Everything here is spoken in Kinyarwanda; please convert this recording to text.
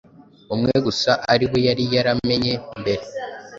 umwe gusa ari we yari yaramenye mbere